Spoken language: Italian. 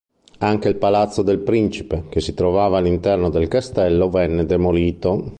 Anche il palazzo del principe che si trovava all'interno del castello venne demolito.